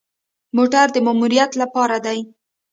موټر د ماموریت لپاره دی